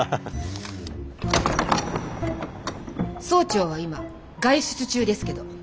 総長は今外出中ですけど。